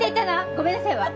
「ごめんなさい」は？